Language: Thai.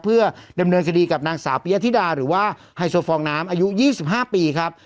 เพื่อดำเนินคดีกับนางสาวปียธิดาหรือว่าไฮโซฟองน้ำอายุ๒๕ปีครับ